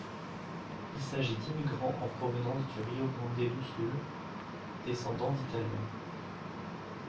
Il s'agit d'immigrants en provenance du Rio Grande do Sul, descendants d'italiens.